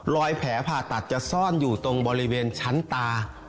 แผลผ่าตัดจะซ่อนอยู่ตรงบริเวณชั้นตา